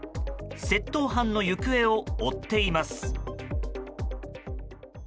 窃盗犯の行方を追っています。